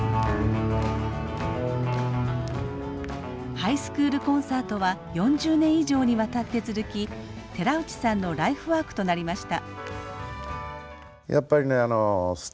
ハイスクールコンサートは４０年以上にわたって続き寺内さんのライフワークとなりました。